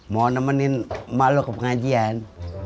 mau nemenin mak lo ke pengajian